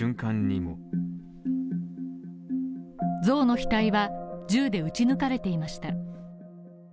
像の額は、銃で撃ち抜かれていました。